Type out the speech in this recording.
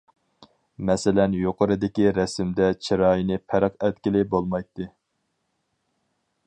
مەسىلەن يۇقىرىدىكى رەسىمدە چىرايىنى پەرق ئەتكىلى بولمايتتى.